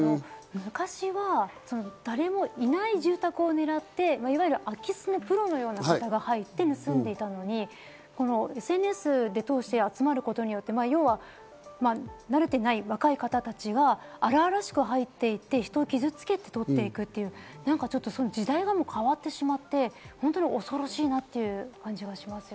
昔は誰もいない住宅を狙って、いわゆる空き巣のプロのような方が入って盗んでいたのに、ＳＮＳを通して集まることによって、慣れてない若い方たちが荒々しく入っていって、人を傷付けて取っていくっていう、時代がもう変わってしまって、本当に恐ろしいなっていう感じがします。